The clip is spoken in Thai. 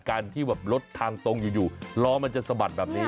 การที่แบบรถทางตรงอยู่ล้อมันจะสะบัดแบบนี้